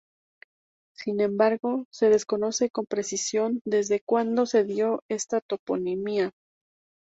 Sin embargo, se desconoce con precisión desde cuándo se dio esta toponimia.